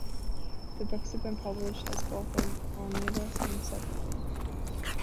The books have been published as both an omnibus and separately.